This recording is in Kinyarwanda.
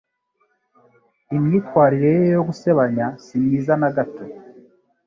Imyitwarire ye yo gusebanya simyiza nagato